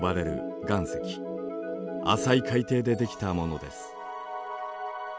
浅い海底でできたものです。